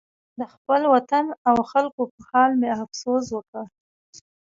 د خپل وطن او خلکو په حال مې افسوس وکړ.